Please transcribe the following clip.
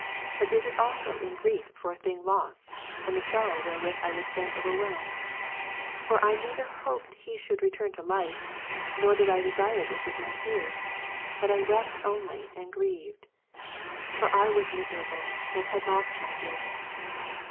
But is it also in grief for a thing lost, and the sorrow wherewith I was then overwhelmed ? For I neither hoped he should return to life, nor did I desire this with my tears ; but I wept only and grieved. For I was miserable, and had lost my joy.